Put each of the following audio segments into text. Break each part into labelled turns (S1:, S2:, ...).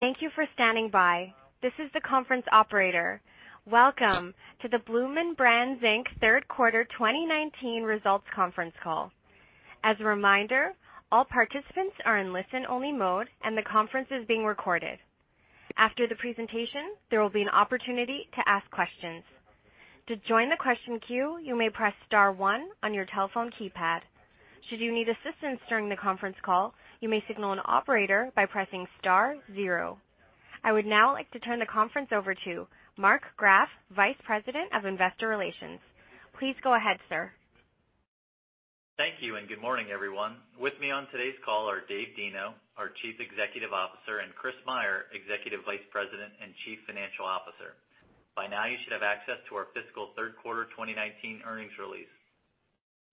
S1: Thank you for standing by. This is the conference operator. Welcome to the Bloomin' Brands, Inc. Third Quarter 2019 Results Conference Call. As a reminder, all participants are in listen-only mode, and the conference is being recorded. After the presentation, there will be an opportunity to ask questions. To join the question queue, you may press star one on your telephone keypad. Should you need assistance during the conference call, you may signal an operator by pressing star zero. I would now like to turn the conference over to Mark Graff, Vice President of Investor Relations. Please go ahead, sir.
S2: Thank you, and good morning, everyone. With me on today's call are Dave Deno, our Chief Executive Officer, and Chris Meyer, Executive Vice President and Chief Financial Officer. By now, you should have access to our fiscal third quarter 2019 earnings release.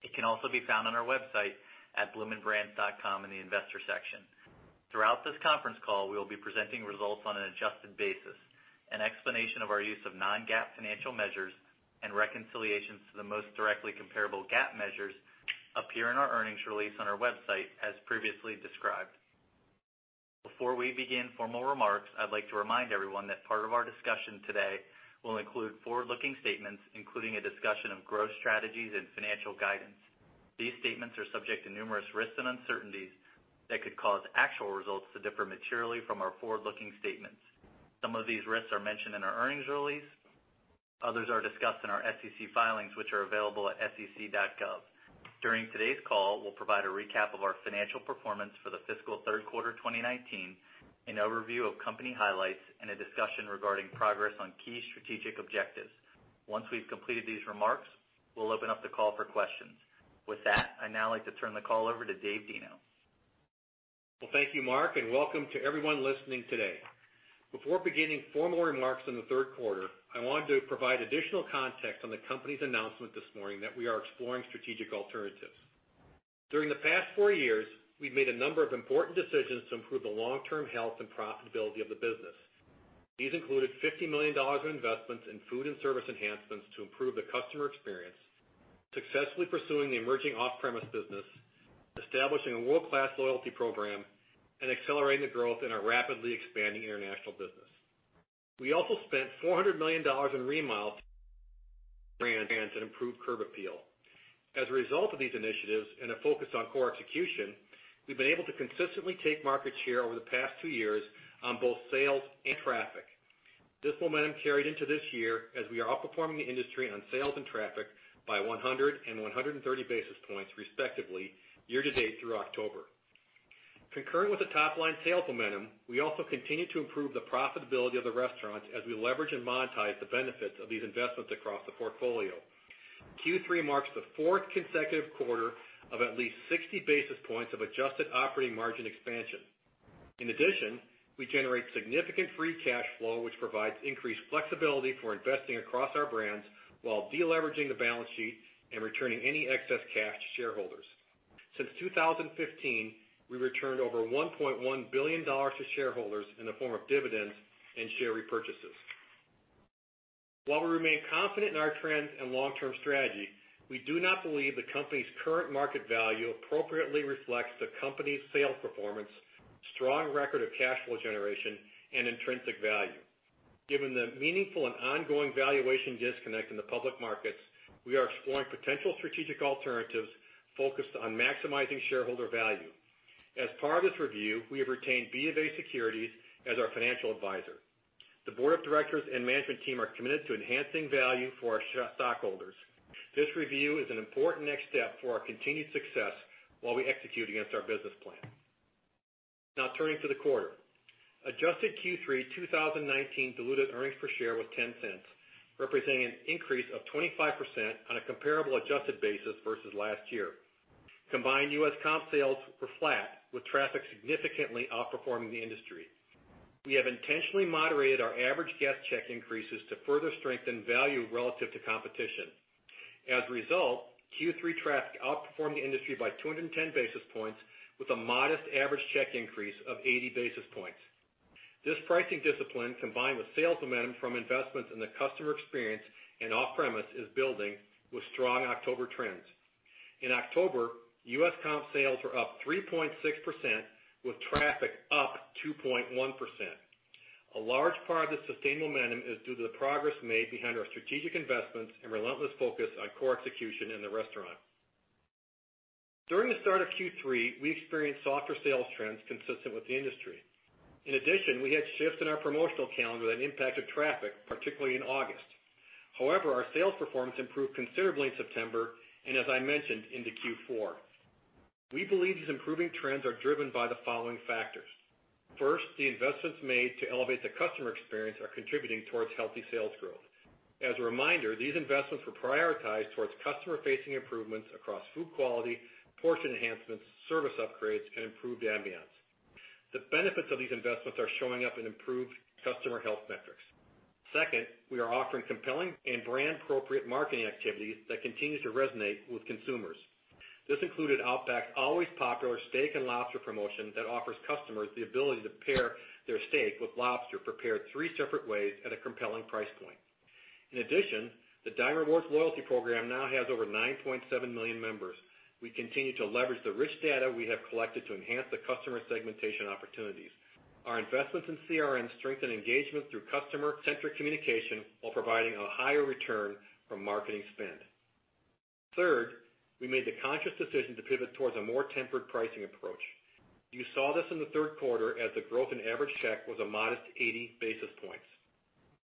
S2: It can also be found on our website at bloominbrands.com in the investor section. Throughout this conference call, we will be presenting results on an adjusted basis. An explanation of our use of non-GAAP financial measures and reconciliations to the most directly comparable GAAP measures appear in our earnings release on our website as previously described. Before we begin formal remarks, I'd like to remind everyone that part of our discussion today will include forward-looking statements, including a discussion of growth strategies and financial guidance. These statements are subject to numerous risks and uncertainties that could cause actual results to differ materially from our forward-looking statements. Some of these risks are mentioned in our earnings release. Others are discussed in our SEC filings, which are available at sec.gov. During today's call, we'll provide a recap of our financial performance for the fiscal third quarter 2019, an overview of company highlights, and a discussion regarding progress on key strategic objectives. Once we've completed these remarks, we'll open up the call for questions. With that, I'd now like to turn the call over to Dave Deno.
S3: Well, thank you, Mark, and welcome to everyone listening today. Before beginning formal remarks on the third quarter, I wanted to provide additional context on the company's announcement this morning that we are exploring strategic alternatives. During the past four years, we've made a number of important decisions to improve the long-term health and profitability of the business. These included $50 million in investments in food and service enhancements to improve the customer experience, successfully pursuing the emerging off-premise business, establishing a world-class loyalty program, and accelerating the growth in our rapidly expanding international business. We also spent $400 million in remodels to refresh the brands and improve curb appeal. As a result of these initiatives and a focus on core execution, we've been able to consistently take market share over the past two years on both sales and traffic. This momentum carried into this year, as we are outperforming the industry on sales and traffic by 100 and 130 basis points respectively year to date through October. Concurrent with the top-line sales momentum, we also continue to improve the profitability of the restaurant as we leverage and monetize the benefits of these investments across the portfolio. Q3 marks the fourth consecutive quarter of at least 60 basis points of adjusted operating margin expansion. In addition, we generate significant free cash flow, which provides increased flexibility for investing across our brands while de-leveraging the balance sheet and returning any excess cash to shareholders. Since 2015, we returned over $1.1 billion to shareholders in the form of dividends and share repurchases. While we remain confident in our trends and long-term strategy, we do not believe the company's current market value appropriately reflects the company's sales performance, strong record of cash flow generation, and intrinsic value. Given the meaningful and ongoing valuation disconnect in the public markets, we are exploring potential strategic alternatives focused on maximizing shareholder value. As part of this review, we have retained BofA Securities as our financial advisor. The board of directors and management team are committed to enhancing value for our stockholders. This review is an important next step for our continued success while we execute against our business plan. Now turning to the quarter. Adjusted Q3 2019 diluted earnings per share was $0.10, representing an increase of 25% on a comparable adjusted basis versus last year. Combined U.S. comp sales were flat, with traffic significantly outperforming the industry. We have intentionally moderated our average guest check increases to further strengthen value relative to competition. As a result, Q3 traffic outperformed the industry by 210 basis points with a modest average check increase of 80 basis points. This pricing discipline, combined with sales momentum from investments in the customer experience and off-premise, is building with strong October trends. In October, U.S. comp sales were up 3.6% with traffic up 2.1%. A large part of the sustained momentum is due to the progress made behind our strategic investments and relentless focus on core execution in the restaurant. During the start of Q3, we experienced softer sales trends consistent with the industry. In addition, we had shifts in our promotional calendar that impacted traffic, particularly in August. However, our sales performance improved considerably in September and, as I mentioned, into Q4. We believe these improving trends are driven by the following factors. First, the investments made to elevate the customer experience are contributing towards healthy sales growth. As a reminder, these investments were prioritized towards customer-facing improvements across food quality, portion enhancements, service upgrades, and improved ambiance. The benefits of these investments are showing up in improved customer health metrics. Second, we are offering compelling and brand-appropriate marketing activities that continue to resonate with consumers. This included Outback Always Popular Steak and Lobster promotion that offers customers the ability to pair their steak with lobster prepared three separate ways at a compelling price point. In addition, the Dine Rewards loyalty program now has over 9.7 million members. We continue to leverage the rich data we have collected to enhance the customer segmentation opportunities. Our investments in CRM strengthen engagement through customer-centric communication while providing a higher return from marketing spend. Third, we made the conscious decision to pivot towards a more tempered pricing approach. You saw this in the third quarter as the growth in average check was a modest 80 basis points.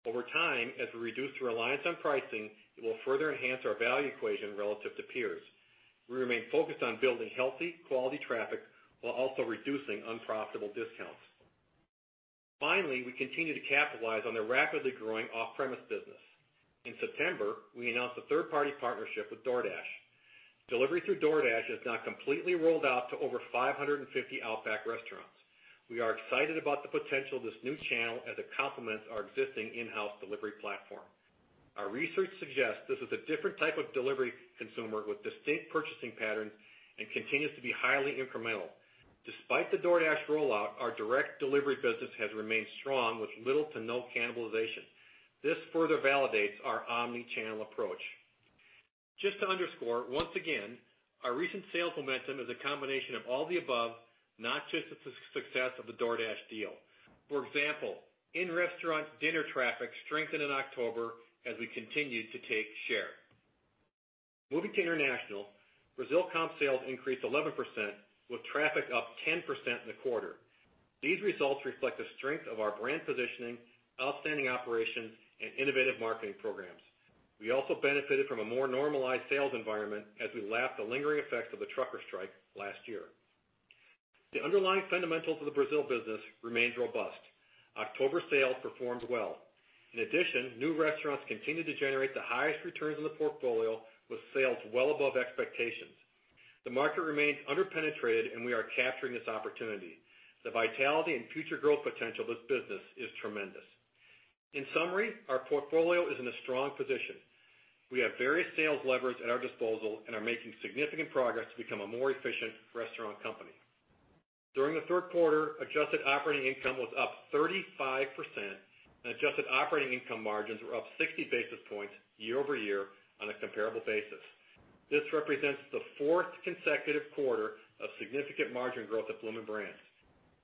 S3: Over time, as we reduce reliance on pricing, it will further enhance our value equation relative to peers. We remain focused on building healthy quality traffic while also reducing unprofitable discounts. Finally, we continue to capitalize on the rapidly growing off-premise business. In September, we announced a third-party partnership with DoorDash. Delivery through DoorDash is now completely rolled out to over 550 Outback restaurants. We are excited about the potential of this new channel as it complements our existing in-house delivery platform. Our research suggests this is a different type of delivery consumer with distinct purchasing patterns and continues to be highly incremental. Despite the DoorDash rollout, our direct delivery business has remained strong with little to no cannibalization. This further validates our omni-channel approach. Just to underscore, once again, our recent sales momentum is a combination of all the above, not just the success of the DoorDash deal. For example, in-restaurant dinner traffic strengthened in October as we continued to take share. Moving to international, Brazil comp sales increased 11%, with traffic up 10% in the quarter. These results reflect the strength of our brand positioning, outstanding operations, and innovative marketing programs. We also benefited from a more normalized sales environment as we lapped the lingering effects of the trucker strike last year. The underlying fundamentals of the Brazil business remains robust. October sales performed well. In addition, new restaurants continue to generate the highest returns on the portfolio, with sales well above expectations. The market remains under-penetrated, and we are capturing this opportunity. The vitality and future growth potential of this business is tremendous. In summary, our portfolio is in a strong position. We have various sales levers at our disposal and are making significant progress to become a more efficient restaurant company. During the third quarter, adjusted operating income was up 35%, and adjusted operating income margins were up 60 basis points year-over-year on a comparable basis. This represents the fourth consecutive quarter of significant margin growth at Bloomin' Brands.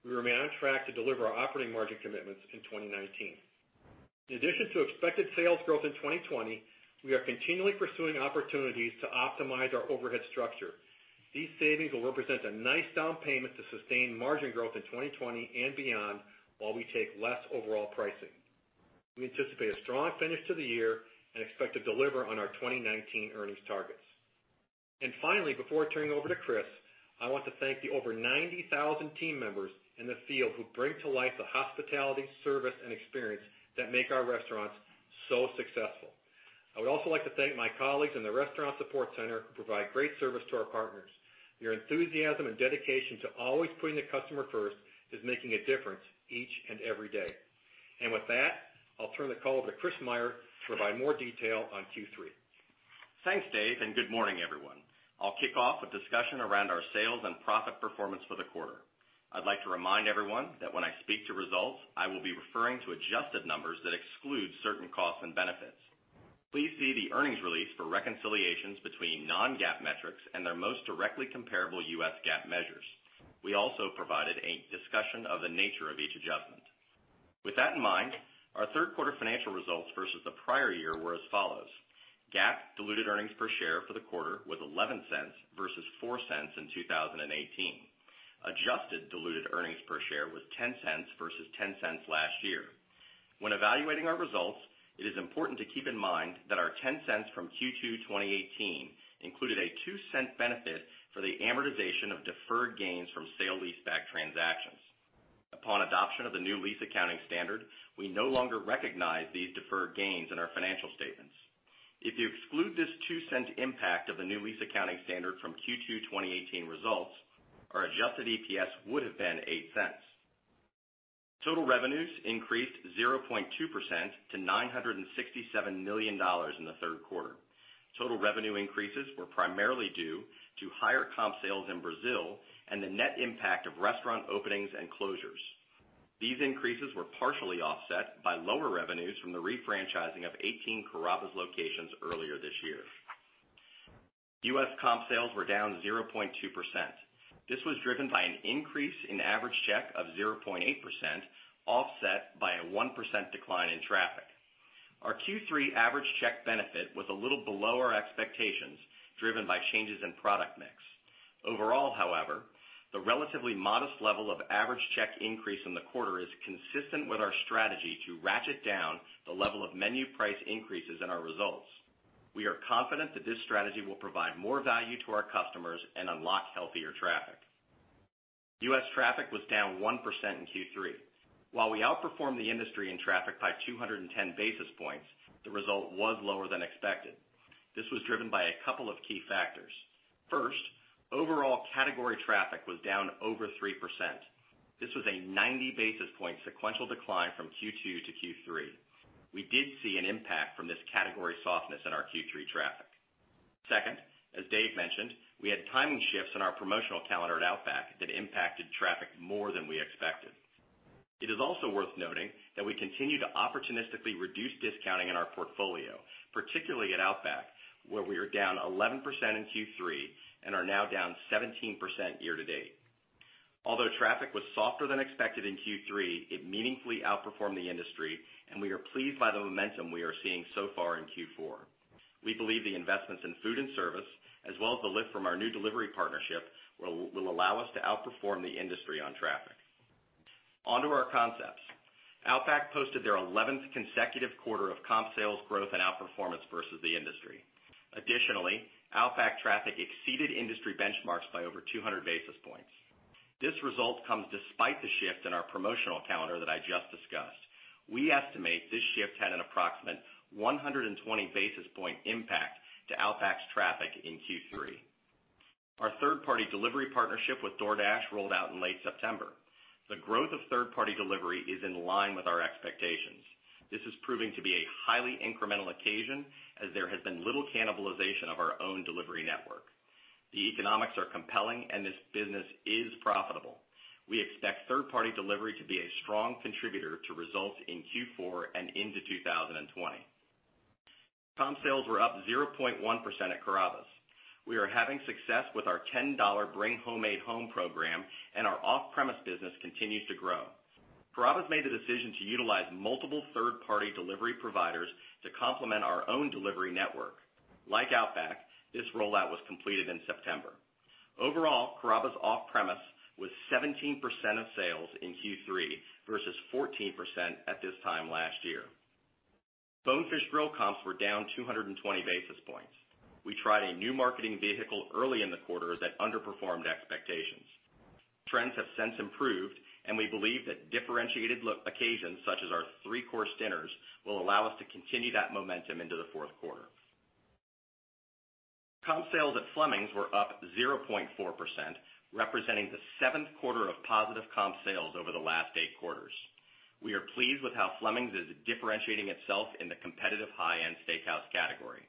S3: We remain on track to deliver our operating margin commitments in 2019. In addition to expected sales growth in 2020, we are continually pursuing opportunities to optimize our overhead structure. These savings will represent a nice down payment to sustain margin growth in 2020 and beyond, while we take less overall pricing. We anticipate a strong finish to the year and expect to deliver on our 2019 earnings targets. Finally, before turning over to Chris, I want to thank the over 90,000 team members in the field who bring to life the hospitality, service, and experience that make our restaurants so successful. I would also like to thank my colleagues in the restaurant support center who provide great service to our partners. Your enthusiasm and dedication to always putting the customer first is making a difference each and every day. With that, I'll turn the call over to Chris Meyer to provide more detail on Q3.
S4: Thanks, Dave. Good morning, everyone. I'll kick off with discussion around our sales and profit performance for the quarter. I'd like to remind everyone that when I speak to results, I will be referring to adjusted numbers that exclude certain costs and benefits. Please see the earnings release for reconciliations between non-GAAP metrics and their most directly comparable U.S. GAAP measures. We also provided a discussion of the nature of each adjustment. With that in mind, our third quarter financial results versus the prior year were as follows: GAAP diluted earnings per share for the quarter was $0.11 versus $0.04 in 2018. Adjusted diluted earnings per share was $0.10 versus $0.10 last year. When evaluating our results, it is important to keep in mind that our $0.10 from Q2 2018 included a $0.02 benefit for the amortization of deferred gains from sale-leaseback transactions. Upon adoption of the new lease accounting standard, we no longer recognize these deferred gains in our financial statements. If you exclude this $0.02 impact of the new lease accounting standard from Q2 2018 results, our adjusted EPS would have been $0.08. Total revenues increased 0.2% to $967 million in the third quarter. Total revenue increases were primarily due to higher comp sales in Brazil and the net impact of restaurant openings and closures. These increases were partially offset by lower revenues from the refranchising of 18 Carrabba's locations earlier this year. U.S. comp sales were down 0.2%. This was driven by an increase in average check of 0.8%, offset by a 1% decline in traffic. Our Q3 average check benefit was a little below our expectations, driven by changes in product mix. Overall, however, the relatively modest level of average check increase in the quarter is consistent with our strategy to ratchet down the level of menu price increases in our results. We are confident that this strategy will provide more value to our customers and unlock healthier traffic. U.S. traffic was down 1% in Q3. While we outperformed the industry in traffic by 210 basis points, the result was lower than expected. This was driven by a couple of key factors. First, overall category traffic was down over 3%. This was a 90 basis point sequential decline from Q2 to Q3. We did see an impact from this category softness in our Q3 traffic. Second, as Dave mentioned, we had timing shifts in our promotional calendar at Outback that impacted traffic more than we expected. It is also worth noting that we continue to opportunistically reduce discounting in our portfolio, particularly at Outback, where we are down 11% in Q3, and are now down 17% year to date. Although traffic was softer than expected in Q3, it meaningfully outperformed the industry, and we are pleased by the momentum we are seeing so far in Q4. We believe the investments in food and service, as well as the lift from our new delivery partnership, will allow us to outperform the industry on traffic. On to our concepts. Outback posted their 11th consecutive quarter of comp sales growth and outperformance versus the industry. Additionally, Outback traffic exceeded industry benchmarks by over 200 basis points. This result comes despite the shift in our promotional calendar that I just discussed. We estimate this shift had an approximate 120 basis point impact to Outback's traffic in Q3. Our third-party delivery partnership with DoorDash rolled out in late September. The growth of third-party delivery is in line with our expectations. This is proving to be a highly incremental occasion, as there has been little cannibalization of our own delivery network. The economics are compelling and this business is profitable. We expect third-party delivery to be a strong contributor to results in Q4 and into 2020. Comp sales were up 0.1% at Carrabba's. We are having success with our $10 Bring Homemade Home program, and our off-premise business continues to grow. Carrabba's made the decision to utilize multiple third-party delivery providers to complement our own delivery network. Like Outback, this rollout was completed in September. Overall, Carrabba's off-premise was 17% of sales in Q3 versus 14% at this time last year. Bonefish Grill comps were down 220 basis points. We tried a new marketing vehicle early in the quarter that underperformed expectations. Trends have since improved, we believe that differentiated occasions, such as our three-course dinners, will allow us to continue that momentum into the fourth quarter. Comp sales at Fleming's were up 0.4%, representing the seventh quarter of positive comp sales over the last eight quarters. We are pleased with how Fleming's is differentiating itself in the competitive high-end steakhouse category.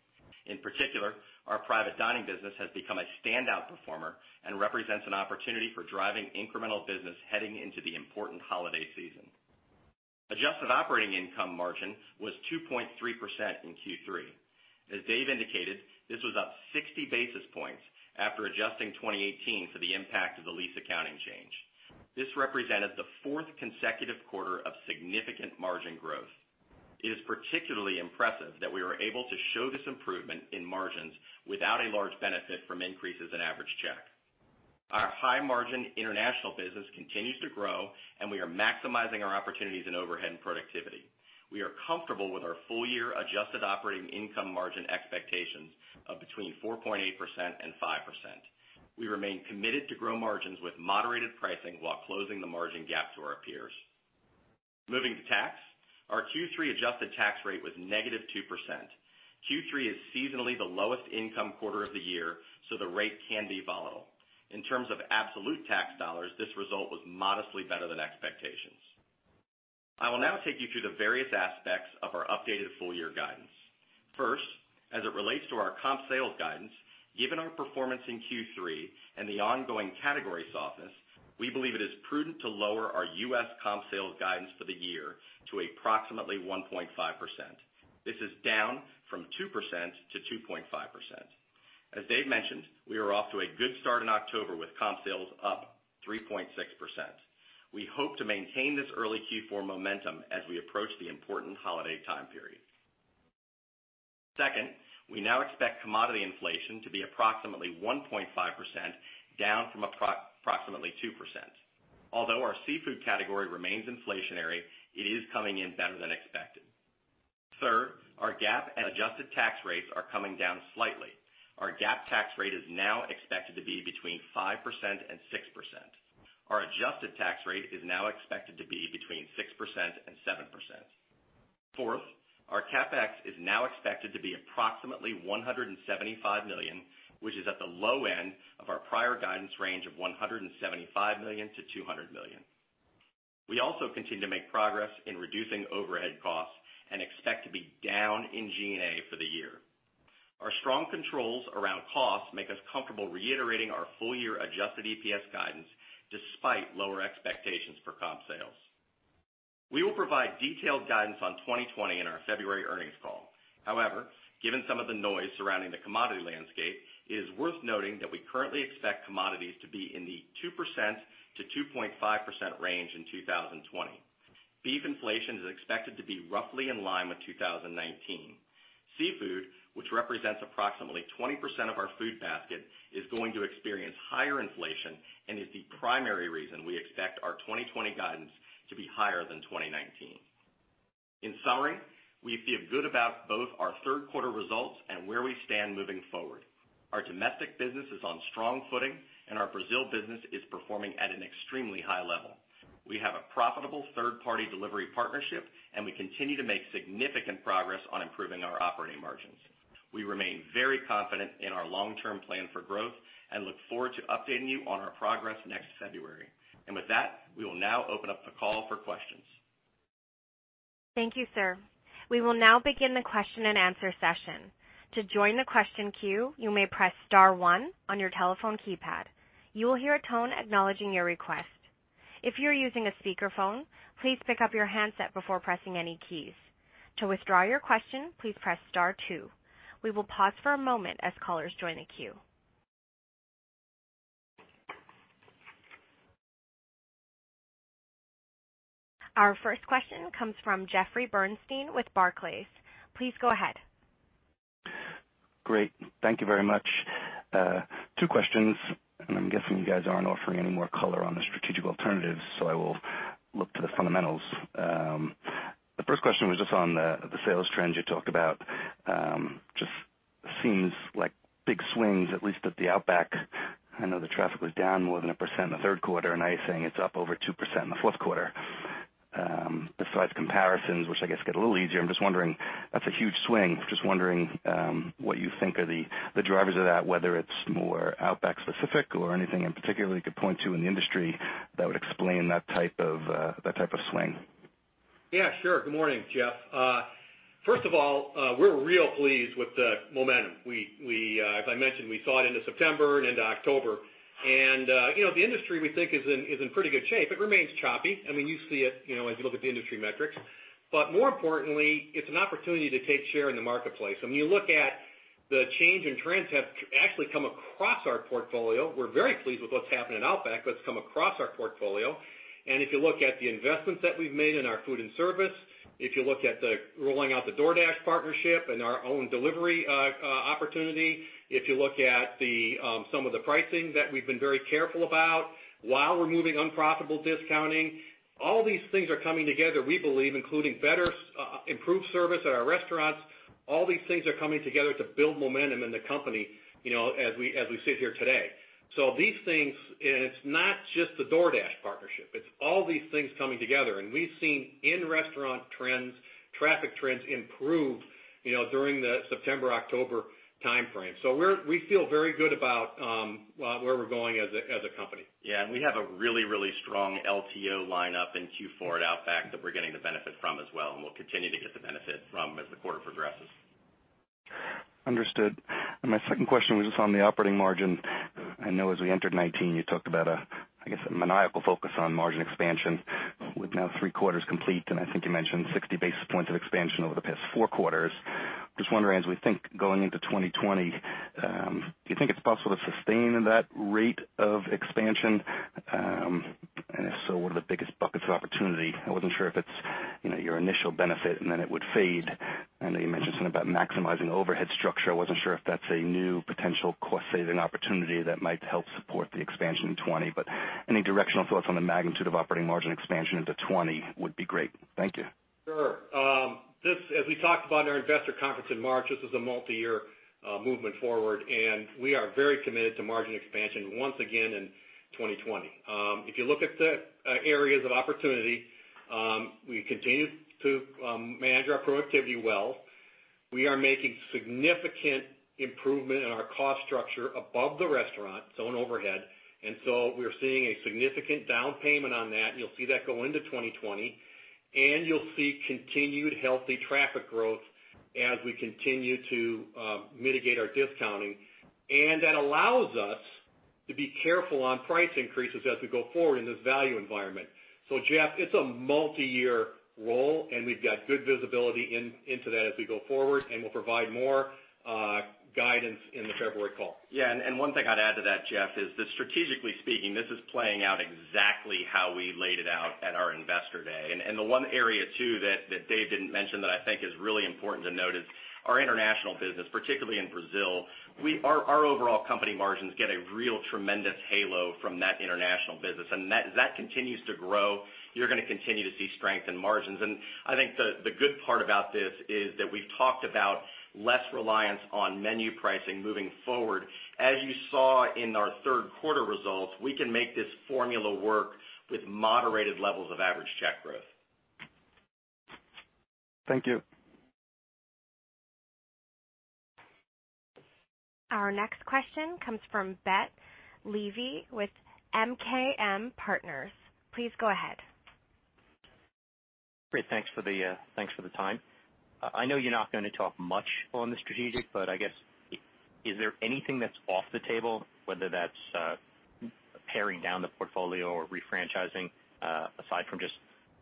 S4: In particular, our private dining business has become a standout performer and represents an opportunity for driving incremental business heading into the important holiday season. Adjusted operating income margin was 2.3% in Q3. As Dave indicated, this was up 60 basis points after adjusting 2018 for the impact of the lease accounting change. This represented the fourth consecutive quarter of significant margin growth. It is particularly impressive that we were able to show this improvement in margins without a large benefit from increases in average check. Our high-margin international business continues to grow, and we are maximizing our opportunities in overhead and productivity. We are comfortable with our full year adjusted operating income margin expectations of between 4.8% and 5%. We remain committed to grow margins with moderated pricing while closing the margin gap to our peers. Moving to tax, our Q3 adjusted tax rate was negative 2%. Q3 is seasonally the lowest income quarter of the year, so the rate can be volatile. In terms of absolute tax dollars, this result was modestly better than expectations. I will now take you through the various aspects of our updated full year guidance. First, as it relates to our comp sales guidance, given our performance in Q3 and the ongoing category softness, we believe it is prudent to lower our U.S. comp sales guidance for the year to approximately 1.5%. This is down from 2%-2.5%. As Dave mentioned, we are off to a good start in October with comp sales up 3.6%. We hope to maintain this early Q4 momentum as we approach the important holiday time period. Second, we now expect commodity inflation to be approximately 1.5%, down from approximately 2%. Although our seafood category remains inflationary, it is coming in better than expected. Third, our GAAP and adjusted tax rates are coming down slightly. Our GAAP tax rate is now expected to be between 5% and 6%. Our adjusted tax rate is now expected to be between 6% and 7%. Fourth, our CapEx is now expected to be approximately $175 million, which is at the low end of our prior guidance range of $175 million-$200 million. We also continue to make progress in reducing overhead costs and expect to be down in G&A for the year. Our strong controls around costs make us comfortable reiterating our full year adjusted EPS guidance despite lower expectations for comp sales. We will provide detailed guidance on 2020 in our February earnings call. However, given some of the noise surrounding the commodity landscape, it is worth noting that we currently expect commodities to be in the 2%-2.5% range in 2020. Beef inflation is expected to be roughly in line with 2019. Seafood, which represents approximately 20% of our food basket, is going to experience higher inflation and is the primary reason we expect our 2020 guidance to be higher than 2019. In summary, we feel good about both our third quarter results and where we stand moving forward. Our domestic business is on strong footing and our Brazil business is performing at an extremely high level. We have a profitable third-party delivery partnership and we continue to make significant progress on improving our operating margins. We remain very confident in our long-term plan for growth and look forward to updating you on our progress next February. With that, we will now open up the call for questions.
S1: Thank you, sir. We will now begin the question and answer session. To join the question queue, you may press star one on your telephone keypad. You will hear a tone acknowledging your request. If you're using a speakerphone, please pick up your handset before pressing any keys. To withdraw your question, please press star two. We will pause for a moment as callers join the queue. Our first question comes from Jeffrey Bernstein with Barclays. Please go ahead.
S5: Great. Thank you very much. Two questions. I'm guessing you guys aren't offering any more color on the strategic alternatives, so I will look to the fundamentals. The first question was just on the sales trends you talked about. Just seems like big swings, at least at the Outback. I know the traffic was down more than 1% in the third quarter, now you're saying it's up over 2% in the fourth quarter. Besides comparisons, which I guess get a little easier, I'm just wondering, that's a huge swing. Just wondering, what you think are the drivers of that, whether it's more Outback specific or anything in particular you could point to in the industry that would explain that type of swing?
S3: Yeah, sure. Good morning, Jeff. First of all, we're real pleased with the momentum. As I mentioned, we saw it into September and into October. The industry, we think is in pretty good shape. It remains choppy. You see it, as you look at the industry metrics. More importantly, it's an opportunity to take share in the marketplace. When you look at the change in trends have actually come across our portfolio. We're very pleased with what's happening at Outback, what's come across our portfolio. If you look at the investments that we've made in our food and service, if you look at the rolling out the DoorDash partnership and our own delivery opportunity, if you look at some of the pricing that we've been very careful about while removing unprofitable discounting, all these things are coming together, we believe, including improved service at our restaurants. All these things are coming together to build momentum in the company, as we sit here today. It's not just the DoorDash partnership, it's all these things coming together. We've seen in-restaurant trends, traffic trends improve during the September-October timeframe. We feel very good about where we're going as a company.
S4: Yeah. We have a really, really strong LTO lineup in Q4 at Outback that we're getting the benefit from as well, and we'll continue to get the benefit from as the quarter progresses.
S5: Understood. My second question was just on the operating margin. I know as we entered 2019, you talked about, I guess, a maniacal focus on margin expansion. With now three quarters complete, and I think you mentioned 60 basis points of expansion over the past four quarters. Just wondering, as we think going into 2020, do you think it's possible to sustain that rate of expansion? If so, what are the biggest buckets of opportunity? I wasn't sure if it's your initial benefit and then it would fade. I know you mentioned something about maximizing overhead structure. I wasn't sure if that's a new potential cost-saving opportunity that might help support the expansion in 2020. Any directional thoughts on the magnitude of operating margin expansion into 2020 would be great. Thank you.
S3: Sure. As we talked about in our investor conference in March, this is a multi-year movement forward, and we are very committed to margin expansion once again in 2020. If you look at the areas of opportunity, we continue to manage our productivity well. We are making significant improvement in our cost structure above the restaurant, so in overhead. We're seeing a significant down payment on that, and you'll see that go into 2020. You'll see continued healthy traffic growth as we continue to mitigate our discounting. That allows us to be careful on price increases as we go forward in this value environment. Jeff, it's a multi-year role and we've got good visibility into that as we go forward, and we'll provide more guidance in the February call.
S4: One thing I'd add to that, Jeff, is that strategically speaking, this is playing out exactly how we laid it out at our investor day. The one area too that Dave didn't mention that I think is really important to note is our international business, particularly in Brazil. Our overall company margins get a real tremendous halo from that international business. As that continues to grow, you're going to continue to see strength in margins. I think the good part about this is that we've talked about less reliance on menu pricing moving forward. As you saw in our third quarter results, we can make this formula work with moderated levels of average check growth.
S5: Thank you.
S1: Our next question comes from Brett Levy with MKM Partners. Please go ahead.
S6: Great. Thanks for the time. I know you're not going to talk much on the strategic, but I guess, is there anything that's off the table, whether that's paring down the portfolio or refranchising, aside from just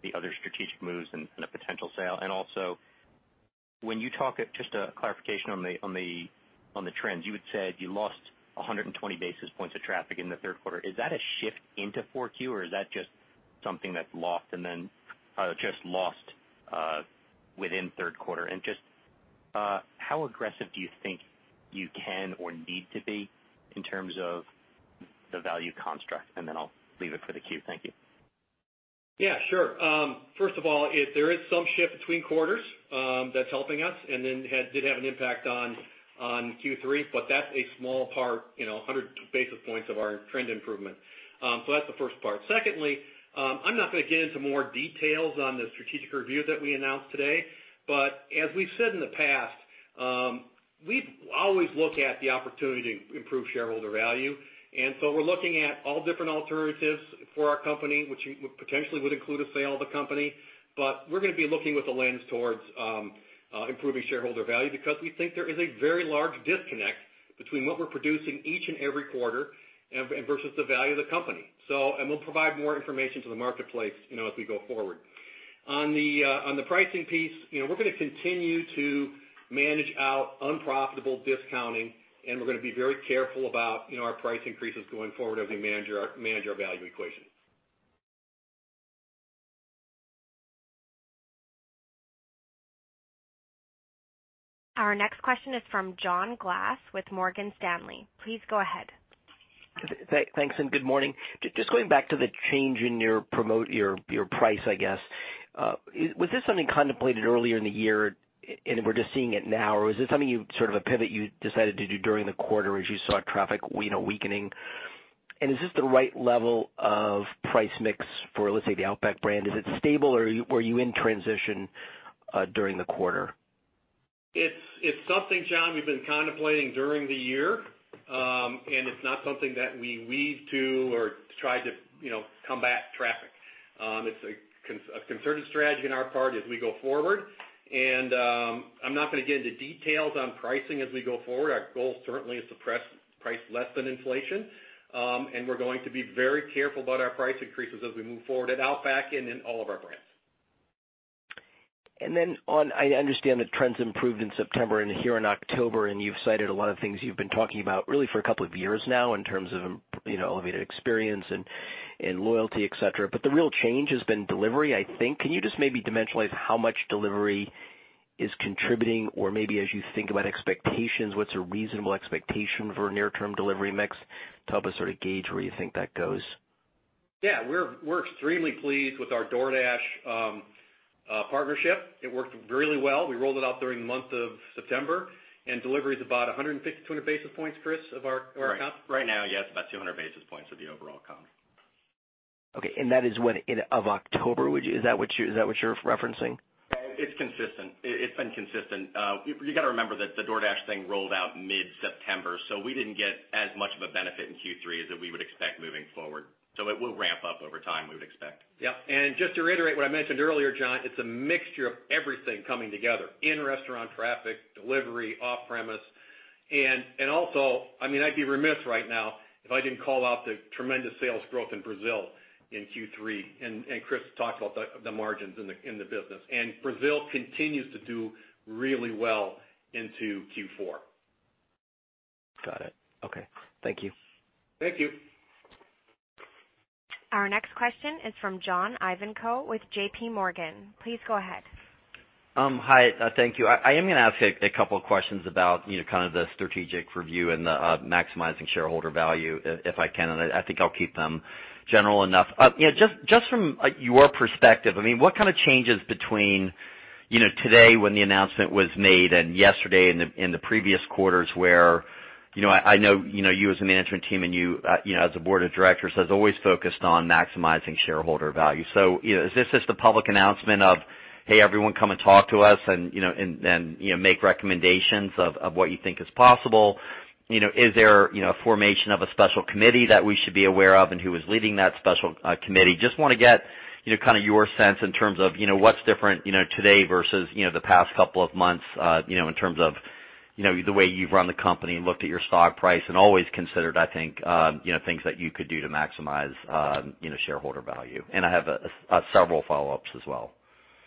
S6: the other strategic moves and a potential sale? Also, just a clarification on the trends. You had said you lost 120 basis points of traffic in the third quarter. Is that a shift into 4Q, or is that just something that's just lost within third quarter? Just how aggressive do you think you can or need to be in terms of the value construct? Then I'll leave it for the queue. Thank you.
S3: Yeah, sure. First of all, there is some shift between quarters that's helping us and then did have an impact on Q3, but that's a small part, 100 basis points of our trend improvement. That's the first part. Secondly, I'm not going to get into more details on the strategic review that we announced today, but as we've said in the past, We always look at the opportunity to improve shareholder value. We're looking at all different alternatives for our company, which potentially would include a sale of the company. We're going to be looking with a lens towards improving shareholder value because we think there is a very large disconnect between what we're producing each and every quarter versus the value of the company. We'll provide more information to the marketplace as we go forward. On the pricing piece, we're going to continue to manage out unprofitable discounting, and we're going to be very careful about our price increases going forward as we manage our value equation.
S1: Our next question is from John Glass with Morgan Stanley. Please go ahead.
S7: Thanks, good morning. Just going back to the change in your price, I guess. Was this something contemplated earlier in the year, and we're just seeing it now? Is this something, sort of a pivot you decided to do during the quarter as you saw traffic weakening? Is this the right level of price mix for, let's say, the Outback brand? Is it stable, or were you in transition during the quarter?
S3: It's something, John, we've been contemplating during the year. It's not something that we weave to or try to combat traffic. It's a concerted strategy on our part as we go forward. I'm not going to get into details on pricing as we go forward. Our goal certainly is to price less than inflation, and we're going to be very careful about our price increases as we move forward at Outback and in all of our brands.
S7: On, I understand the trends improved in September and here in October, and you've cited a lot of things you've been talking about really for a couple of years now in terms of elevated experience and loyalty, et cetera. The real change has been delivery, I think. Can you just maybe dimensionalize how much delivery is contributing? Or maybe as you think about expectations, what's a reasonable expectation for near-term delivery mix to help us sort of gauge where you think that goes?
S3: Yeah. We're extremely pleased with our DoorDash partnership. It worked really well. We rolled it out during the month of September, and delivery is about 150-200 basis points, Chris, of our account?
S4: Right now, yeah. It's about 200 basis points of the overall comp.
S7: Okay, that is what, of October? Is that what you're referencing?
S4: It's consistent. It's been consistent. You got to remember that the DoorDash thing rolled out mid-September, so we didn't get as much of a benefit in Q3 as we would expect moving forward. It will ramp up over time, we would expect.
S3: Yep. Just to reiterate what I mentioned earlier, John, it's a mixture of everything coming together: in-restaurant traffic, delivery, off-premise. Also, I'd be remiss right now if I didn't call out the tremendous sales growth in Brazil in Q3, and Chris talked about the margins in the business. Brazil continues to do really well into Q4.
S7: Got it. Okay. Thank you.
S3: Thank you.
S1: Our next question is from John Ivankoe with JPMorgan. Please go ahead.
S8: Hi. Thank you. I am going to ask a couple of questions about kind of the strategic review and the maximizing shareholder value, if I can, and I think I'll keep them general enough. Just from your perspective, what kind of changes between today when the announcement was made and yesterday and the previous quarters where I know you as a management team and you as a board of directors has always focused on maximizing shareholder value. Is this just the public announcement of, "Hey, everyone, come and talk to us and make recommendations of what you think is possible?" Is there a formation of a special committee that we should be aware of, and who is leading that special committee? Just want to get kind of your sense in terms of what's different today versus the past couple of months, in terms of the way you've run the company and looked at your stock price and always considered, I think, things that you could do to maximize shareholder value. I have several follow-ups as well.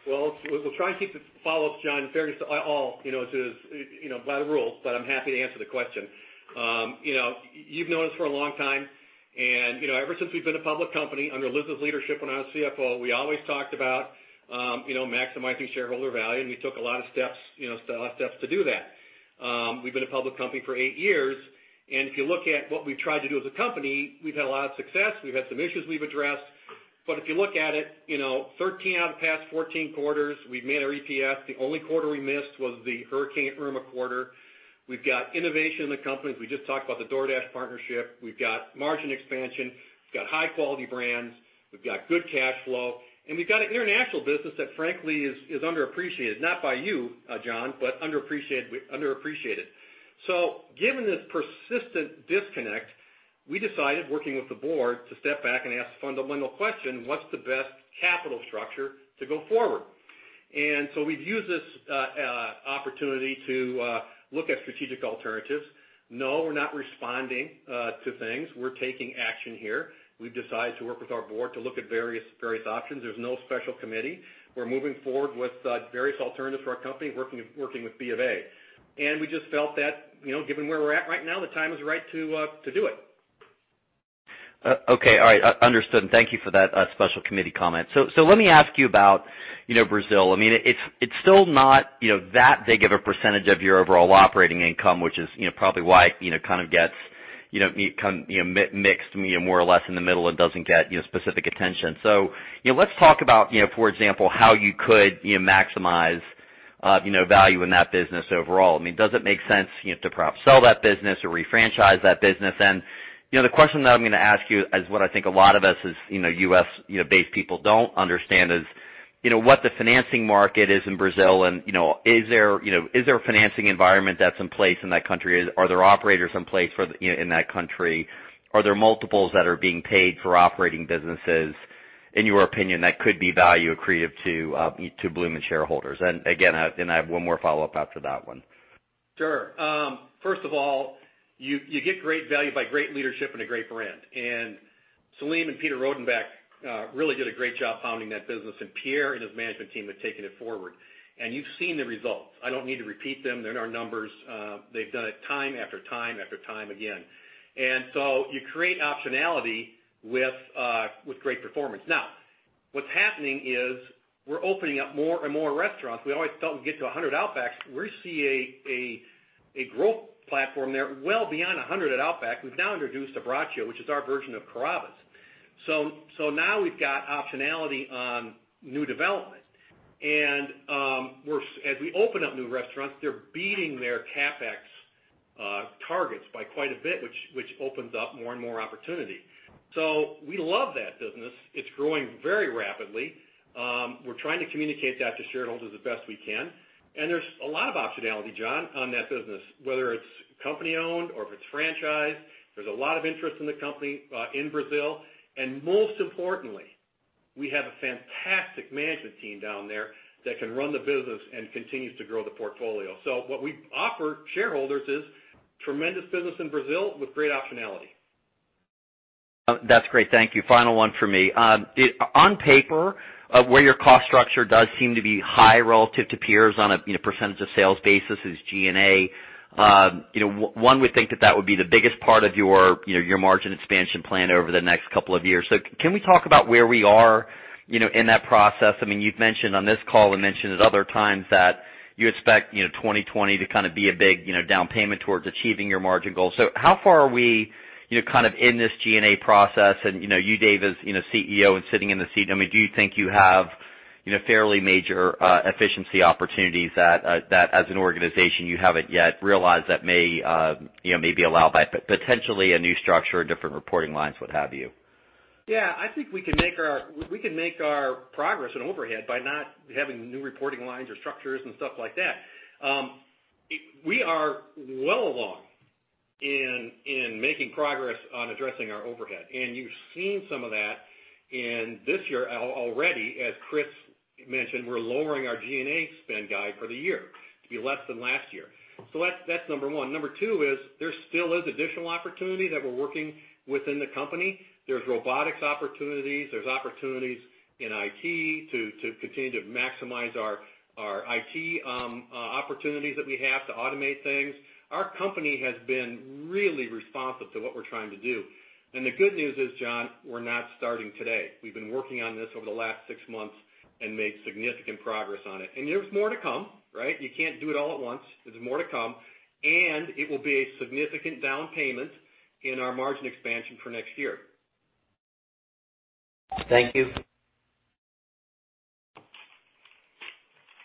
S3: Well, we'll try and keep the follow-ups, John, fair to all by the rules, but I'm happy to answer the question. Ever since we've been a public company under Liz's leadership when I was CFO, we always talked about maximizing shareholder value, and we took a lot of steps to do that. We've been a public company for eight years. If you look at what we've tried to do as a company, we've had a lot of success. We've had some issues we've addressed. If you look at it, 13 out of the past 14 quarters, we've made our EPS. The only quarter we missed was the Hurricane Irma quarter. We've got innovation in the company, as we just talked about the DoorDash partnership. We've got margin expansion. We've got high-quality brands. We've got good cash flow. We've got an international business that, frankly, is underappreciated. Not by you, John, but underappreciated. Given this persistent disconnect, we decided, working with the board, to step back and ask the fundamental question: What's the best capital structure to go forward? We've used this opportunity to look at strategic alternatives. No, we're not responding to things. We're taking action here. We've decided to work with our board to look at various options. There's no special committee. We're moving forward with various alternatives for our company, working with BofA. We just felt that given where we're at right now, the time is right to do it.
S8: Okay. All right. Understood. Thank you for that special committee comment. Let me ask you about Brazil. It's still not that big of a percentage of your overall operating income, which is probably why it kind of gets mixed more or less in the middle and doesn't get specific attention. Let's talk about, for example, how you could maximize value in that business overall. Does it make sense to perhaps sell that business or refranchise that business? The question that I'm going to ask you is what I think a lot of us as U.S.-based people don't understand is what the financing market is in Brazil, and is there a financing environment that's in place in that country? Are there operators in place in that country? Are there multiples that are being paid for operating businesses, in your opinion, that could be value accretive to Bloomin' Brands shareholders? Again, I have one more follow-up after that one.
S3: Sure. First of all, you get great value by great leadership and a great brand. Salim and Peter Rodenbeck really did a great job founding that business, and Pierre and his management team have taken it forward. You've seen the results. I don't need to repeat them. They're in our numbers. They've done it time after time again. You create optionality with great performance. Now, what's happening is we're opening up more and more restaurants. We always felt we'd get to 100 Outbacks. We see a growth platform there well beyond 100 at Outback. We've now introduced an Abbraccio, which is our version of Carrabba's. Now we've got optionality on new development. As we open up new restaurants, they're beating their CapEx targets by quite a bit, which opens up more and more opportunity. We love that business. It's growing very rapidly. We're trying to communicate that to shareholders as best we can. There's a lot of optionality, John, on that business, whether it's company-owned or if it's franchised, there's a lot of interest in the company in Brazil. Most importantly, we have a fantastic management team down there that can run the business and continues to grow the portfolio. What we offer shareholders is tremendous business in Brazil with great optionality.
S8: That's great. Thank you. Final one from me. On paper, where your cost structure does seem to be high relative to peers on a percentage of sales basis is G&A. One would think that that would be the biggest part of your margin expansion plan over the next couple of years. Can we talk about where we are in that process? You've mentioned on this call and mentioned at other times that you expect 2020 to be a big down payment towards achieving your margin goal. How far are we in this G&A process and you, Dave, as CEO and sitting in the seat, do you think you have fairly major efficiency opportunities that as an organization you haven't yet realized that may be allowed by potentially a new structure, different reporting lines, what have you?
S3: Yeah, I think we can make our progress in overhead by not having new reporting lines or structures and stuff like that. We are well along in making progress on addressing our overhead, and you've seen some of that in this year already, as Chris mentioned, we're lowering our G&A spend guide for the year to be less than last year. That's number one. Number two is there still is additional opportunity that we're working within the company. There's robotics opportunities. There's opportunities in IT to continue to maximize our IT opportunities that we have to automate things. Our company has been really responsive to what we're trying to do. The good news is, John, we're not starting today. We've been working on this over the last six months and made significant progress on it. There's more to come. You can't do it all at once. There's more to come. It will be a significant down payment in our margin expansion for next year.
S8: Thank you.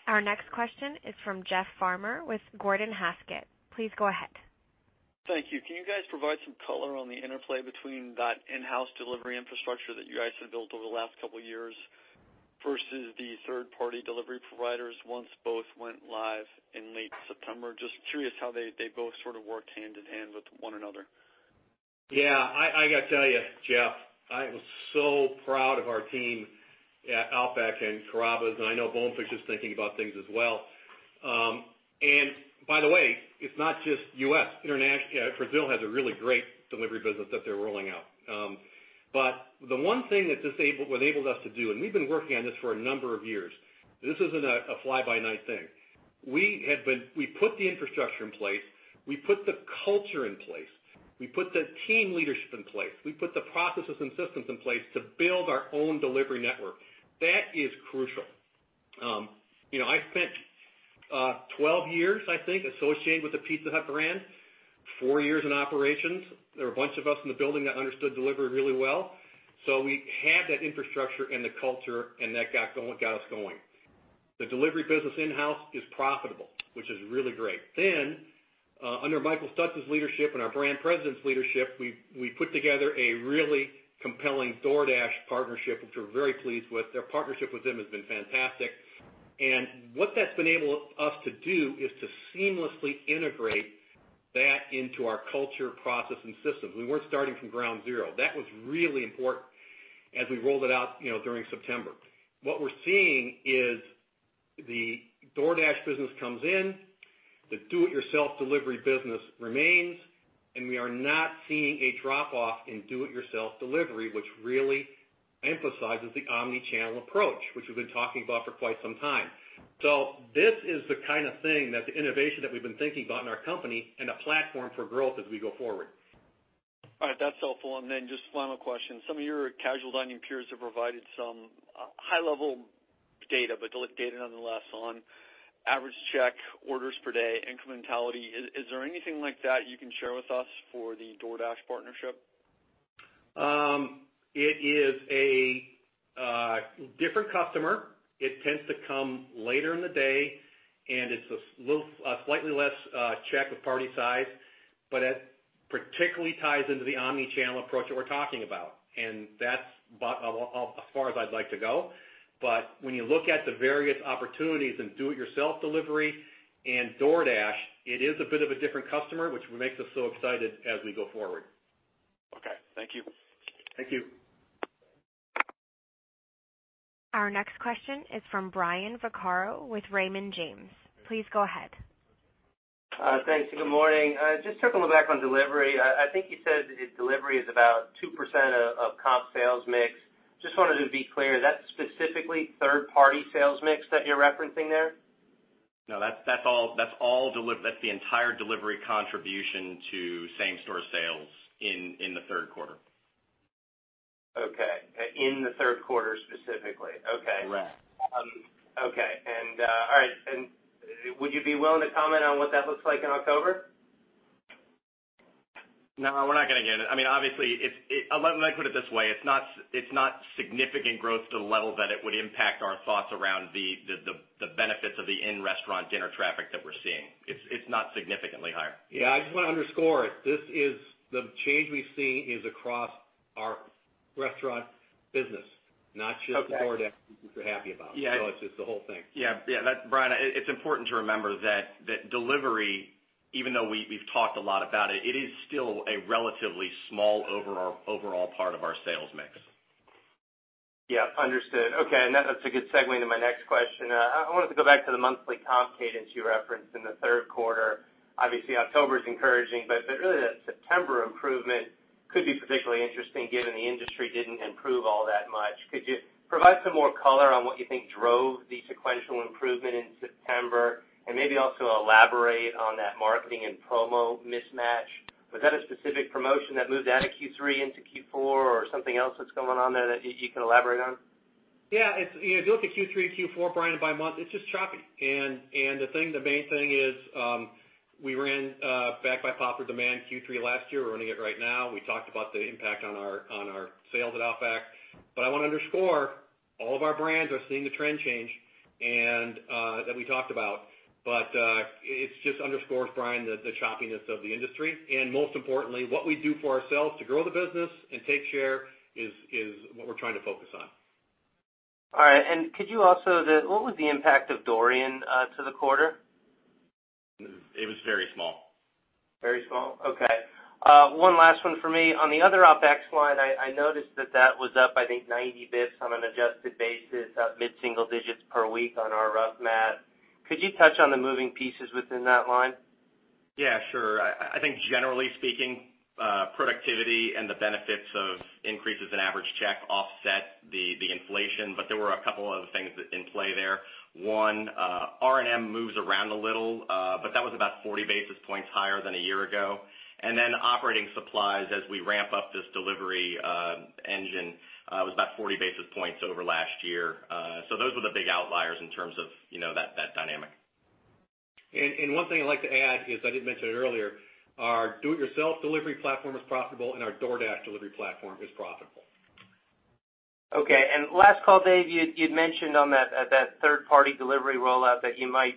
S1: Our next question is from Jeff Farmer with Gordon Haskett. Please go ahead.
S9: Thank you. Can you guys provide some color on the interplay between that in-house delivery infrastructure that you guys have built over the last couple of years versus the third-party delivery providers once both went live in late September? Just curious how they both sort of worked hand in hand with one another.
S3: I got to tell you, Jeff, I am so proud of our team at Outback and Carrabba's, and I know Bonefish is thinking about things as well. By the way, it's not just U.S. Brazil has a really great delivery business that they're rolling out. The one thing that this enabled us to do, and we've been working on this for a number of years. This isn't a fly-by-night thing. We put the infrastructure in place. We put the culture in place. We put the team leadership in place. We put the processes and systems in place to build our own delivery network. That is crucial. I spent 12 years, I think, associated with the Pizza Hut brand, four years in operations. There are a bunch of us in the building that understood delivery really well. We had that infrastructure and the culture, and that got us going. The delivery business in-house is profitable, which is really great. Under Michael Stutts's leadership and our brand president's leadership, we put together a really compelling DoorDash partnership, which we're very pleased with. The partnership with them has been fantastic. What that's enabled us to do is to seamlessly integrate that into our culture, process, and systems. We weren't starting from ground zero. That was really important as we rolled it out during September. What we're seeing is the DoorDash business comes in, the do-it-yourself delivery business remains, and we are not seeing a drop-off in do-it-yourself delivery, which really emphasizes the omni-channel approach, which we've been talking about for quite some time. This is the kind of thing that the innovation that we've been thinking about in our company and a platform for growth as we go forward.
S9: All right. That's helpful. Just final question. Some of your casual dining peers have provided some high-level data, but data nonetheless, on average check, orders per day, incrementality. Is there anything like that you can share with us for the DoorDash partnership?
S3: It is a different customer. It tends to come later in the day, and it's a slightly less check with party size.
S4: Particularly ties into the omni-channel approach that we're talking about, and that's about as far as I'd like to go. When you look at the various opportunities in do it yourself delivery and DoorDash, it is a bit of a different customer, which makes us so excited as we go forward.
S9: Okay. Thank you.
S4: Thank you.
S1: Our next question is from Brian Vaccaro with Raymond James. Please go ahead.
S10: Thanks. Good morning. Just circling back on delivery. I think you said that delivery is about 2% of comp sales mix. Just wanted to be clear, is that specifically third party sales mix that you're referencing there?
S4: No, that's the entire delivery contribution to same store sales in the third quarter.
S10: Okay. In the third quarter specifically? Okay.
S4: Correct.
S10: Okay. Would you be willing to comment on what that looks like in October?
S4: No, we're not going to get into it. Let me put it this way, it's not significant growth to the level that it would impact our thoughts around the benefits of the in-restaurant dinner traffic that we're seeing. It's not significantly higher.
S3: Yeah, I just want to underscore it. The change we've seen is across our restaurant business, not just DoorDash.
S10: Okay
S3: which we're happy about.
S10: Yeah.
S3: It's just the whole thing.
S4: Yeah. Brian, it's important to remember that delivery, even though we've talked a lot about it is still a relatively small overall part of our sales mix.
S10: Yeah. Understood. Okay. That's a good segue into my next question. I wanted to go back to the monthly comp cadence you referenced in the third quarter. Obviously, October's encouraging, but really that September improvement could be particularly interesting given the industry didn't improve all that much. Could you provide some more color on what you think drove the sequential improvement in September, and maybe also elaborate on that marketing and promo mismatch? Was that a specific promotion that moved out of Q3 into Q4, or something else that's going on there that you can elaborate on?
S4: Yeah. If you look at Q3 to Q4, Brian, by month, it's just choppy. The main thing is, we ran Back by Popular Demand Q3 last year. We're running it right now. We talked about the impact on our sales at Outback. I want to underscore, all of our brands are seeing the trend change that we talked about. It just underscores, Brian, the choppiness of the industry, and most importantly, what we do for ourselves to grow the business and take share is what we're trying to focus on.
S10: All right. Could you also, what was the impact of Dorian to the quarter?
S4: It was very small.
S10: Very small? Okay. One last one from me. On the other OpEx line, I noticed that was up, I think, 90 basis points on an adjusted basis, up mid-single digits per week on our rough math. Could you touch on the moving pieces within that line?
S4: Yeah, sure. I think generally speaking, productivity and the benefits of increases in average check offset the inflation. There were a couple of things in play there. One, R&M moves around a little, but that was about 40 basis points higher than a year ago. Operating supplies as we ramp up this delivery engine, was about 40 basis points over last year. Those were the big outliers in terms of that dynamic. One thing I'd like to add is, I didn't mention it earlier, our do it yourself delivery platform is profitable, and our DoorDash delivery platform is profitable.
S10: Okay. Last call, Dave, you'd mentioned on that third party delivery rollout that you might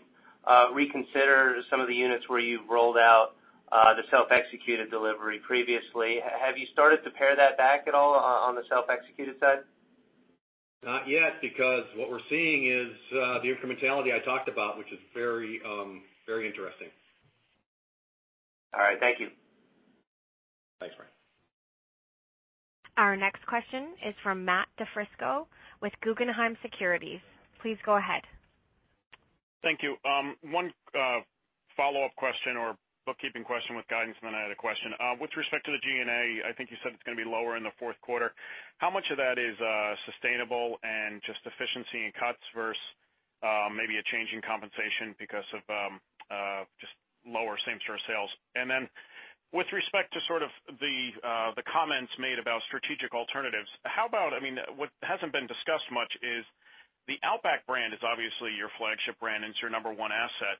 S10: reconsider some of the units where you've rolled out the self-executed delivery previously. Have you started to pare that back at all on the self-executed side?
S4: Not yet, because what we're seeing is the incrementality I talked about, which is very interesting.
S10: All right. Thank you.
S4: Thanks, Brian.
S1: Our next question is from Matt DiFrisco with Guggenheim Securities. Please go ahead.
S11: Thank you. One follow-up question or bookkeeping question with guidance, then I had a question. With respect to the G&A, I think you said it's going to be lower in the fourth quarter. How much of that is sustainable and just efficiency and cuts versus maybe a change in compensation because of just lower same store sales? Then with respect to the comments made about strategic alternatives, what hasn't been discussed much is the Outback brand is obviously your flagship brand and it's your number one asset,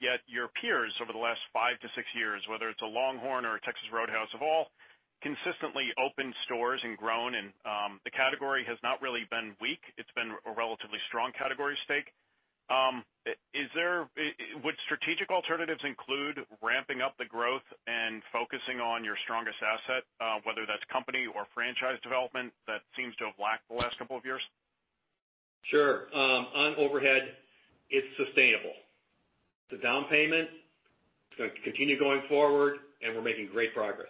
S11: yet your peers over the last five to six years, whether it's a LongHorn or a Texas Roadhouse, have all consistently opened stores and grown, and the category has not really been weak. It's been a relatively strong category steak. Would strategic alternatives include ramping up the growth and focusing on your strongest asset, whether that's company or franchise development that seems to have lacked the last couple of years?
S4: Sure. On overhead, it's sustainable. The down payment is going to continue going forward, and we're making great progress.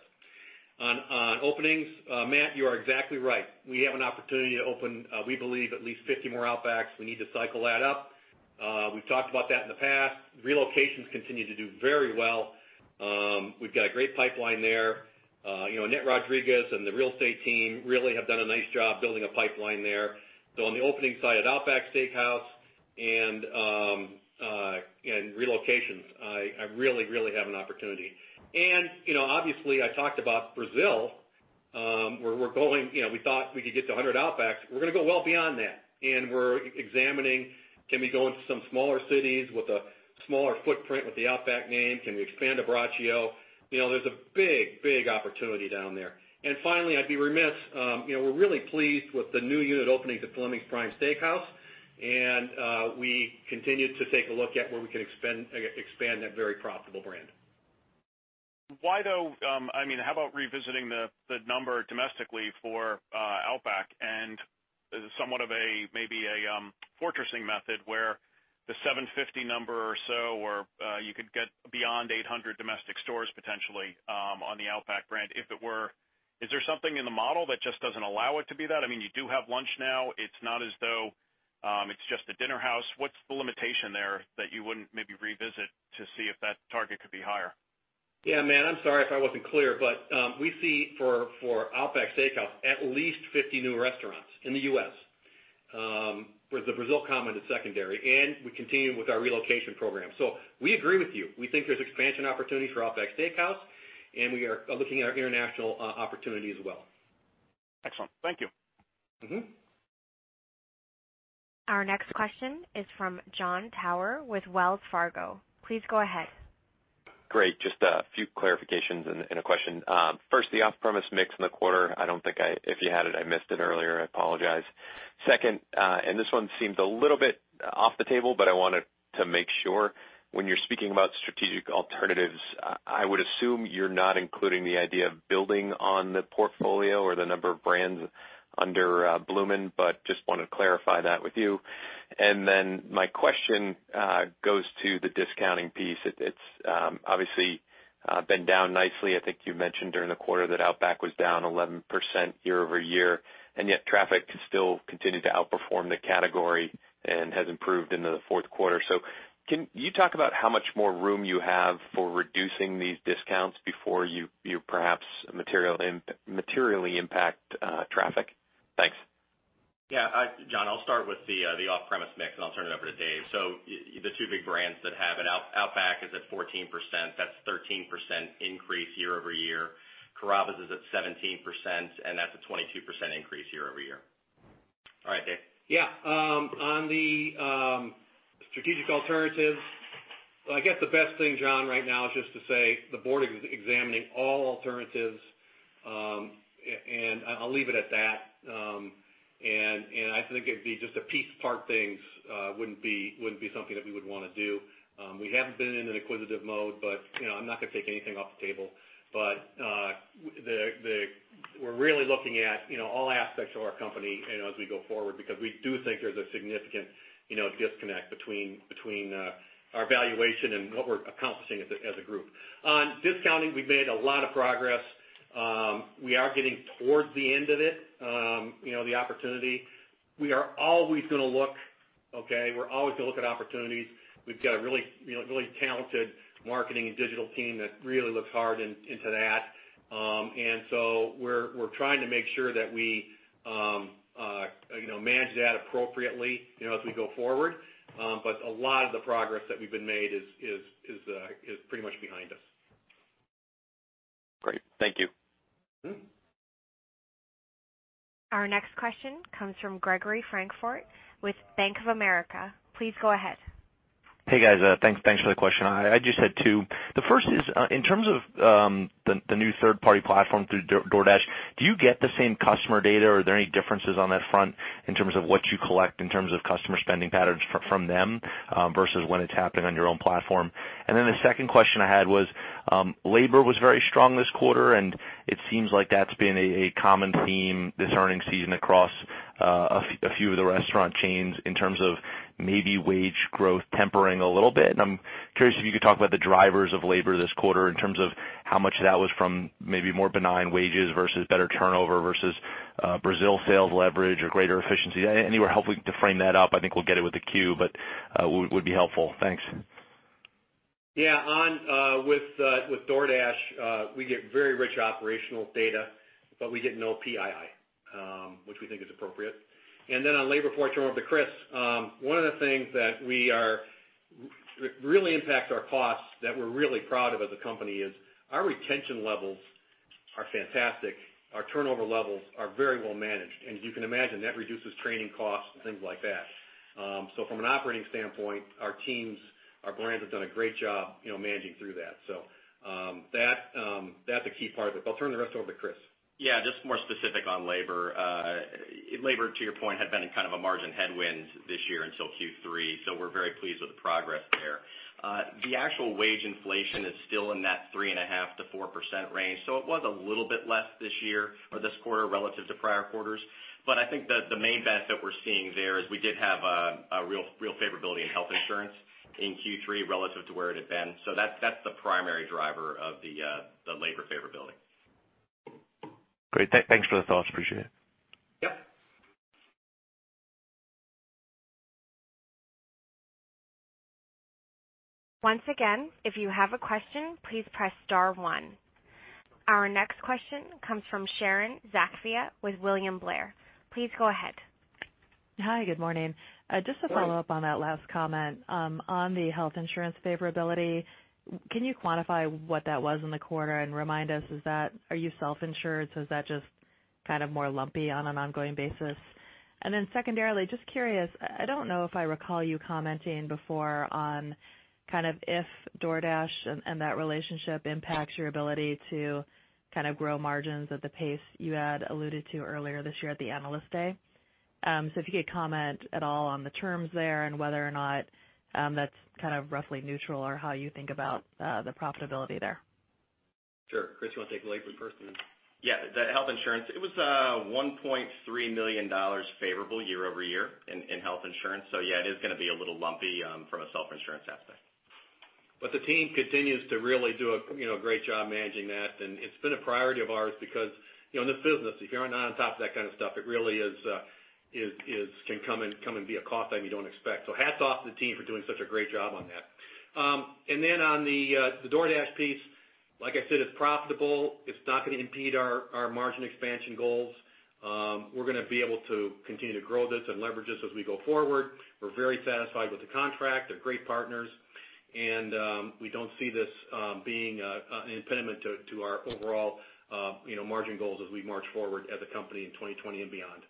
S4: On openings, Matt, you are exactly right. We have an opportunity to open, we believe at least 50 more Outbacks. We need to cycle that up. We've talked about that in the past. Relocations continue to do very well. We've got a great pipeline there. Annette Rodriguez and the real estate team really have done a nice job building a pipeline there. On the opening side at Outback Steakhouse and relocations, I really have an opportunity. Obviously I talked about Brazil. We thought we could get to 100 Outbacks. We're going to go well beyond that, and we're examining, can we go into some smaller cities with a smaller footprint with the Outback name? Can we expand Abbraccio? There's a big opportunity down there. Finally, I'd be remiss, we're really pleased with the new unit openings at Fleming's Prime Steakhouse, and we continue to take a look at where we can expand that very profitable brand.
S11: Why though, how about revisiting the number domestically for Outback and somewhat of maybe a fortressing method where the 750 number or so where you could get beyond 800 domestic stores potentially, on the Outback brand, if it were. Is there something in the model that just doesn't allow it to be that? You do have lunch now. It's not as though it's just a dinner house. What's the limitation there that you wouldn't maybe revisit to see if that target could be higher?
S3: Yeah, Matt, I'm sorry if I wasn't clear, but we see for Outback Steakhouse, at least 50 new restaurants in the U.S. With the Brazil comment as secondary, and we continue with our relocation program. We agree with you. We think there's expansion opportunity for Outback Steakhouse, and we are looking at our international opportunity as well.
S11: Excellent. Thank you.
S1: Our next question is from Jon Tower with Wells Fargo. Please go ahead.
S12: Great. Just a few clarifications and a question. First, the off-premise mix in the quarter, I don't think, if you had it, I missed it earlier. I apologize. Second, this one seems a little bit off the table, but I wanted to make sure. When you're speaking about strategic alternatives, I would assume you're not including the idea of building on the portfolio or the number of brands under Bloomin', but just wanted to clarify that with you. My question goes to the discounting piece. It's obviously been down nicely. I think you mentioned during the quarter that Outback was down 11% year-over-year, and yet traffic still continued to outperform the category and has improved into the fourth quarter. Can you talk about how much more room you have for reducing these discounts before you perhaps materially impact traffic? Thanks.
S4: Yeah. John, I'll start with the off-premise mix, and I'll turn it over to Dave. The two big brands that have it, Outback is at 14%. That's 13% increase year-over-year. Carrabba's is at 17%, that's a 22% increase year-over-year. All right, Dave.
S3: Yeah. On the strategic alternatives, I guess the best thing, John, right now is just to say the board is examining all alternatives. I'll leave it at that. I think it'd be just a piece part things, wouldn't be something that we would want to do. We haven't been in an acquisitive mode, but I'm not going to take anything off the table. We're really looking at all aspects of our company and as we go forward because we do think there's a significant disconnect between our valuation and what we're accomplishing as a group. On discounting, we've made a lot of progress. We are getting towards the end of it, the opportunity. We are always going to look at opportunities. We've got a really talented marketing and digital team that really looks hard into that. We're trying to make sure that we manage that appropriately as we go forward. A lot of the progress that we've been made is pretty much behind us.
S12: Great. Thank you.
S1: Our next question comes from Gregory Francfort with Bank of America. Please go ahead.
S13: Hey, guys. Thanks for the question. I just had two. The first is, in terms of the new third-party platform through DoorDash, do you get the same customer data, or are there any differences on that front in terms of what you collect in terms of customer spending patterns from them versus when it's happening on your own platform? The second question I had was, labor was very strong this quarter, it seems like that's been a common theme this earning season across a few of the restaurant chains in terms of maybe wage growth tempering a little bit. I'm curious if you could talk about the drivers of labor this quarter in terms of how much of that was from maybe more benign wages versus better turnover versus Brazil sales leverage or greater efficiency. Anywhere helpful to frame that up, I think we'll get it with the queue, but would be helpful. Thanks.
S3: With DoorDash, we get very rich operational data, but we get no PII, which we think is appropriate. On labor, before I turn over to Chris, one of the things that really impacts our costs that we're really proud of as a company is our retention levels are fantastic. Our turnover levels are very well managed, and as you can imagine, that reduces training costs and things like that. From an operating standpoint, our teams, our brands have done a great job managing through that. That's a key part of it. I'll turn the rest over to Chris.
S4: Just more specific on labor, to your point, had been in kind of a margin headwind this year until Q3, so we're very pleased with the progress there. The actual wage inflation is still in that 3.5%-4% range, so it was a little bit less this year or this quarter relative to prior quarters. I think that the main bet that we're seeing there is we did have a real favorability in health insurance in Q3 relative to where it had been. That's the primary driver of the labor favorability.
S13: Great. Thanks for the thoughts. Appreciate it.
S4: Yep.
S1: Once again, if you have a question, please press star one. Our next question comes from Sharon Zackfia with William Blair. Please go ahead.
S14: Hi, good morning. Just to follow up on that last comment, on the health insurance favorability, can you quantify what that was in the quarter and remind us, are you self-insured? Is that just kind of more lumpy on an ongoing basis? Secondarily, just curious, I don't know if I recall you commenting before on if DoorDash and that relationship impacts your ability to grow margins at the pace you had alluded to earlier this year at the Analyst Day. If you could comment at all on the terms there and whether or not that's kind of roughly neutral or how you think about the profitability there.
S3: Sure. Chris, you want to take the label first?
S4: Yeah. The health insurance, it was $1.3 million favorable year-over-year in health insurance. Yeah, it is going to be a little lumpy from a self-insurance aspect.
S3: The team continues to really do a great job managing that. It's been a priority of ours because in this business, if you're not on top of that kind of stuff, it really can come and be a cost that you don't expect. Hats off to the team for doing such a great job on that. Then on the DoorDash piece, like I said, it's profitable. It's not going to impede our margin expansion goals. We're going to be able to continue to grow this and leverage this as we go forward. We're very satisfied with the contract. They're great partners, and we don't see this being an impediment to our overall margin goals as we march forward as a company in 2020 and beyond.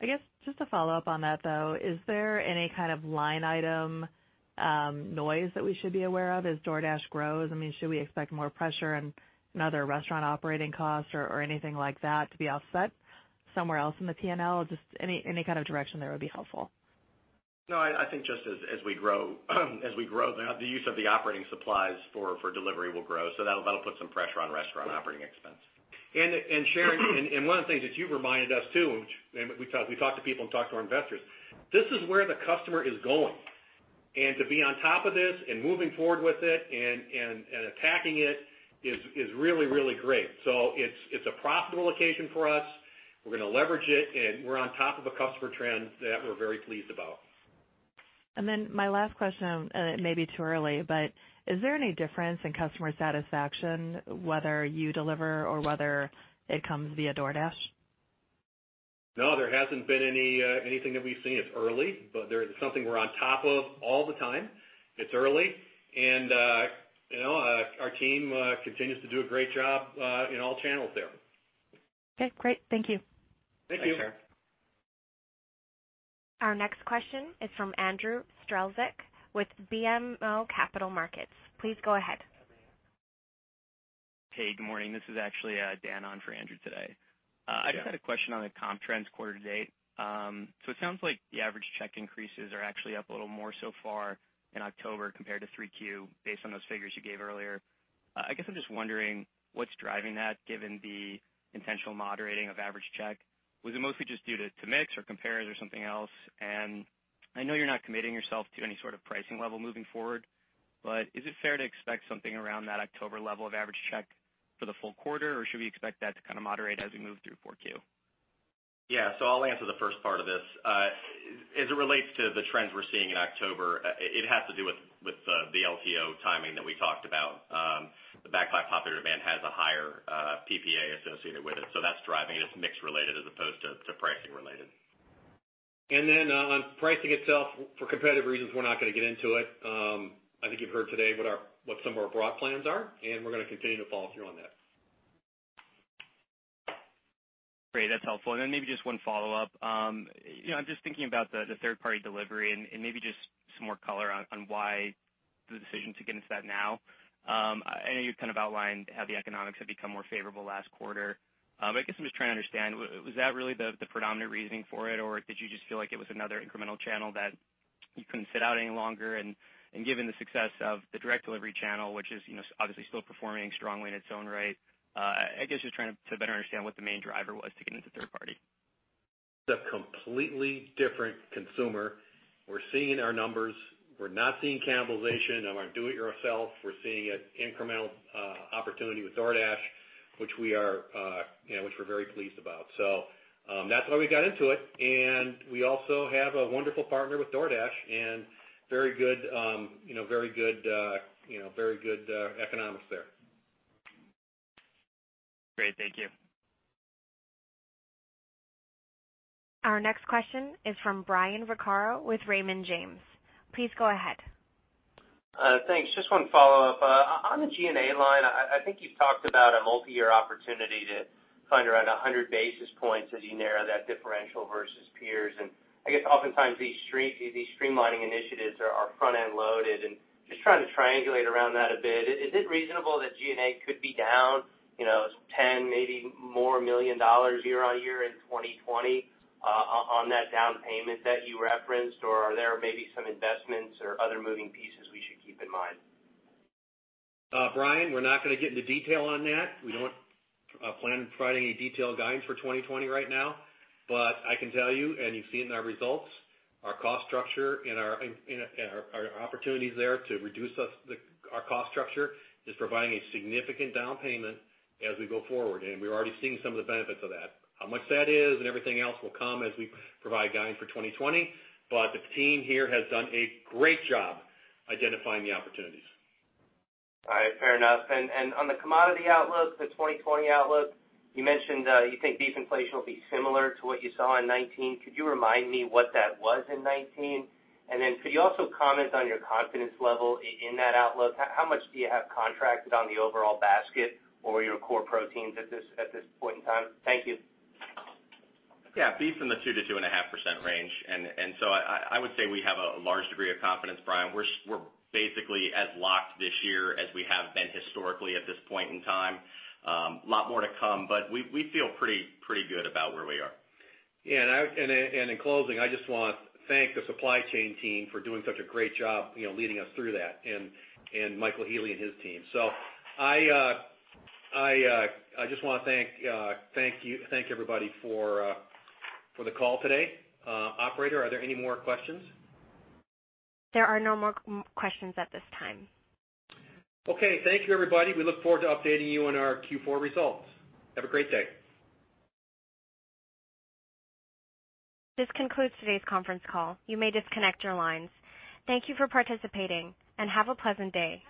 S14: I guess just to follow up on that, though, is there any kind of line item noise that we should be aware of as DoorDash grows? I mean, should we expect more pressure in other restaurant operating costs or anything like that to be offset somewhere else in the P&L? Just any kind of direction there would be helpful.
S4: No, I think just as we grow, the use of the operating supplies for delivery will grow. That'll put some pressure on restaurant operating expense.
S3: And Sharon, one of the things that you've reminded us too, which we talk to people and talk to our investors, this is where the customer is going. To be on top of this and moving forward with it and attacking it is really, really great. It's a profitable location for us. We're going to leverage it, and we're on top of a customer trend that we're very pleased about.
S14: My last question, it may be too early, but is there any difference in customer satisfaction whether you deliver or whether it comes via DoorDash?
S3: No, there hasn't been anything that we've seen. It's early, there is something we're on top of all the time. It's early, our team continues to do a great job in all channels there.
S14: Okay, great. Thank you.
S3: Thank you.
S4: Thanks, Sharon.
S1: Our next question is from Andrew Strelzik with BMO Capital Markets. Please go ahead.
S15: Hey, good morning. This is actually Dan on for Andrew today.
S3: Yeah.
S15: I just had a question on the comp trends quarter to date. It sounds like the average check increases are actually up a little more so far in October compared to 3Q based on those figures you gave earlier. I guess I'm just wondering what's driving that given the intentional moderating of average check. Was it mostly just due to mix or compares or something else? I know you're not committing yourself to any sort of pricing level moving forward, but is it fair to expect something around that October level of average check for the full quarter? Or should we expect that to kind of moderate as we move through 4Q?
S4: Yeah. I'll answer the first part of this. As it relates to the trends we're seeing in October, it has to do with the LTO timing that we talked about. The Back by Popular Demand has a higher PPA associated with it, that's driving it. It's mix related as opposed to pricing related.
S3: On pricing itself, for competitive reasons, we're not going to get into it. I think you've heard today what some of our broad plans are, and we're going to continue to follow through on that.
S15: Great. That's helpful. Then maybe just one follow-up. I'm just thinking about the third-party delivery and maybe just some more color on why the decision to get into that now. I know you've kind of outlined how the economics have become more favorable last quarter. I guess I'm just trying to understand, was that really the predominant reasoning for it, or did you just feel like it was another incremental channel that you couldn't sit out any longer? Given the success of the direct delivery channel, which is obviously still performing strongly in its own right, I guess just trying to better understand what the main driver was to get into third-party.
S3: It's a completely different consumer. We're seeing in our numbers. We're not seeing cannibalization on our do-it-yourself. We're seeing an incremental opportunity with DoorDash, which we're very pleased about. That's why we got into it, and we also have a wonderful partner with DoorDash and very good economics there.
S15: Great. Thank you.
S1: Our next question is from Brian Vaccaro with Raymond James. Please go ahead.
S10: Thanks. Just one follow-up. On the G&A line, I think you've talked about a multi-year opportunity to find around 100 basis points as you narrow that differential versus peers. I guess oftentimes these streamlining initiatives are front-end loaded and just trying to triangulate around that a bit. Is it reasonable that G&A could be down $10 million, maybe more year on year in 2020 on that down payment that you referenced, or are there maybe some investments or other moving pieces we should keep in mind?
S3: Brian, we're not going to get into detail on that. We don't plan on providing any detailed guidance for 2020 right now. I can tell you, and you've seen our results, our cost structure and our opportunities there to reduce our cost structure is providing a significant down payment as we go forward. We're already seeing some of the benefits of that. How much that is and everything else will come as we provide guidance for 2020. The team here has done a great job identifying the opportunities.
S10: All right. Fair enough. On the commodity outlook, the 2020 outlook, you mentioned you think beef inflation will be similar to what you saw in 2019. Could you remind me what that was in 2019? Then could you also comment on your confidence level in that outlook? How much do you have contracted on the overall basket or your core proteins at this point in time? Thank you.
S4: Yeah. Beef in the 2%-2.5% range. I would say we have a large degree of confidence, Brian. We're basically as locked this year as we have been historically at this point in time. A lot more to come, but we feel pretty good about where we are.
S3: In closing, I just want to thank the supply chain team for doing such a great job leading us through that and Michael Healy and his team. I just want to thank everybody for the call today. Operator, are there any more questions?
S1: There are no more questions at this time.
S3: Okay. Thank you, everybody. We look forward to updating you on our Q4 results. Have a great day.
S1: This concludes today's conference call. You may disconnect your lines. Thank you for participating and have a pleasant day.